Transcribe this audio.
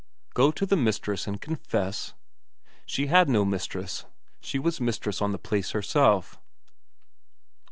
Go to her mistress and confess? She had no mistress; she was mistress on the place herself.